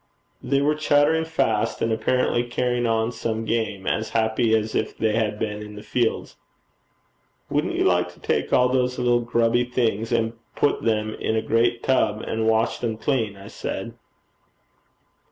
They were chattering fast, and apparently carrying on some game, as happy as if they had been in the fields. 'Wouldn't you like to take all those little grubby things, and put them in a great tub and wash them clean?' I said.